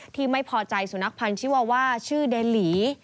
ที่ไม่พอใจสุนัขพันธ์ชิวาว่าชื่อเดหลี